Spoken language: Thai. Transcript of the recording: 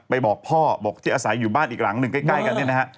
บอกพ่อบอกที่อาศัยอยู่บ้านอีกหลังหนึ่งใกล้กันเนี่ยนะฮะ